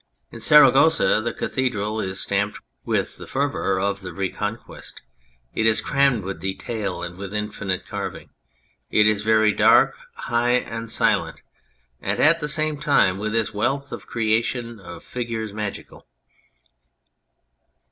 In Saragossa the cathedral is stamped with the fervour of the re conquest. It is crammed with detail and with infinite carving. It is very dark, high and silent, and at the same time, with its wealth of creation and of figures, magical.